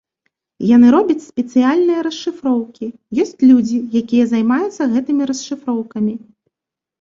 Яны робяць спецыяльныя расшыфроўкі, ёсць людзі, якія займаюцца гэтымі расшыфроўкамі.